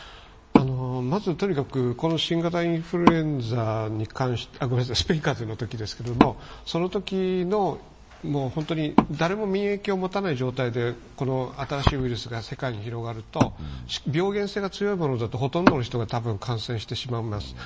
まず、とにかくスペイン風邪のときですけどもそのときの誰も免疫を持たない状態で新しいウイルスが世界に広がると、病原性が強いものだとほとんどの人が感染してしまいます。